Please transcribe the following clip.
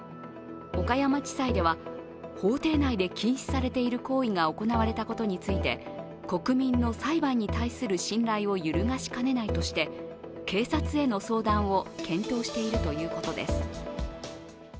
岡山地裁では法廷内で禁止されている行為が行われたことについて、国民の裁判に対する信頼を揺るがしかねないとして、警察への相談を検討しているということです。